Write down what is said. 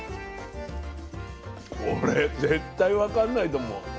これ絶対分かんないと思う。